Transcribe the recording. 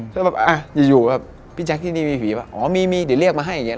ก็แบบอย่าอยู่พี่แจ๊คที่นี่มีผีมีเดี๋ยวเรียกมาให้อย่างนี้